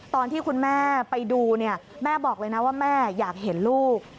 ตอนที่คุณแม่ไปดูเนี่ยแม่บอกเลยนะว่าแม่อยากเห็นลูก